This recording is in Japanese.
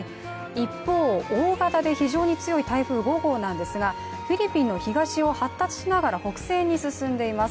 一方、大型で非常に強い台風５号なんですがフィリピンの東を、発達しながら北西に進んでいます。